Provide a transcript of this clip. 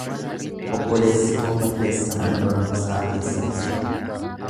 Obboleessi koo barreessa mana barumsaa keessatti.